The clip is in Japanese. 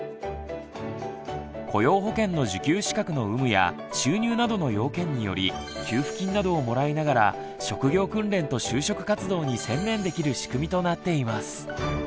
雇用保険の受給資格の有無や収入などの要件により給付金などをもらいながら職業訓練と就職活動に専念できる仕組みとなっています。